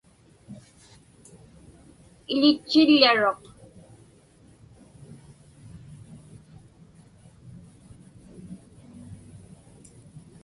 Iḷitchillaruq.